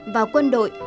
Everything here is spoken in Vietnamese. và quân đội